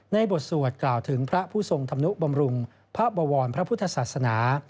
บทสวดกล่าวถึงพระผู้ทรงธรรมนุบำรุงพระบวรพระพุทธศาสนา